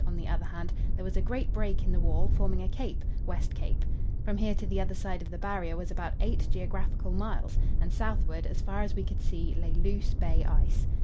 on the other hand, there was a great break in the wall, forming a cape (West Cape); from here to the other side of the Barrier was about eight geographical miles, and southward, as far as we could see, lay loose bay ice.